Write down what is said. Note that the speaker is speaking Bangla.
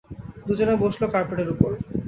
দুজনে বসল কার্পেটের উপর।